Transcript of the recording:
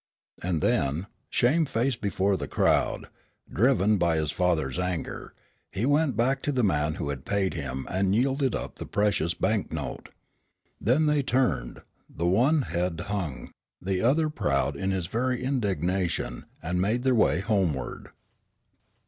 And then, shamefaced before the crowd, driven by his father's anger, he went back to the man who had paid him and yielded up the precious bank note. Then they turned, the one head hung, the other proud in his very indignation, and made their way homeward.